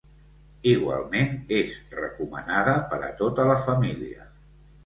Igualment és recomanada per a tota la família.